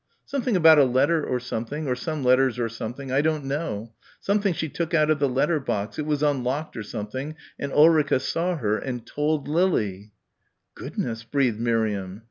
"Something about a letter or something, or some letters or something I don't know. Something she took out of the letter box, it was unlocked or something and Ulrica saw her and told Lily!" "Goodness!" breathed Miriam.